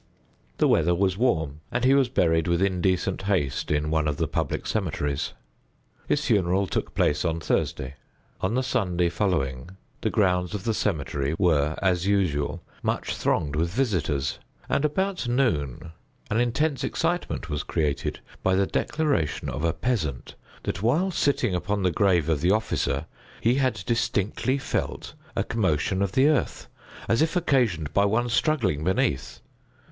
The weather was warm, and he was buried with indecent haste in one of the public cemeteries. His funeral took place on Thursday. On the Sunday following, the grounds of the cemetery were, as usual, much thronged with visitors, and about noon an intense excitement was created by the declaration of a peasant that, while sitting upon the grave of the officer, he had distinctly felt a commotion of the earth, as if occasioned by some one struggling beneath.